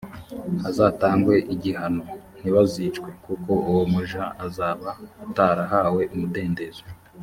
hazatangwe igihano ntibazicwe kuko uwo muja azaba atarahawe umudendezo